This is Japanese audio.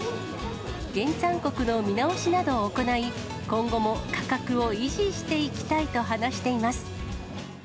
原産国の見直しなどを行い、今後も価格を維持していきたいと話しています。